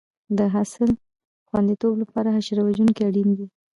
د حاصل خوندیتوب لپاره حشره وژونکي اړین دي.